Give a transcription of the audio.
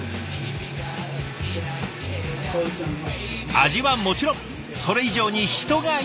味はもちろんそれ以上に人がいい。